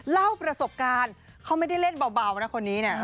เล่าประสบการณ์เขาไม่ได้เล่นเบานะคนนี้เนี่ย